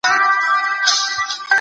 هیوادونه کله نړیوالي شخړي پای ته رسوي؟